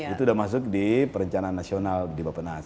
itu sudah masuk di perencanaan nasional di bapak nas